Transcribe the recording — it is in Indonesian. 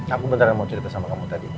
aku beneran mau cerita sama kamu tadi